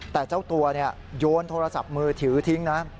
แต่เจ้าตัวโยนโทรศัพท์มือถือทิ้งนะ